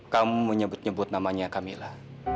kamu menyebut nyebut namanya camilla